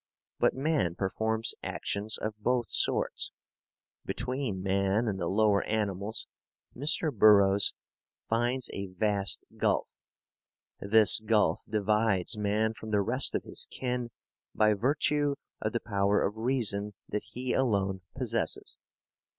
But man performs actions of both sorts. Between man and the lower animals Mr. Burroughs finds a vast gulf. This gulf divides man from the rest of his kin by virtue of the power of reason that he alone possesses.